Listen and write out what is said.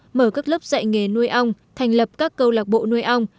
đặc biệt mở các lớp dạy nghề nuôi ong thành lập các câu lạc bộ nuôi ong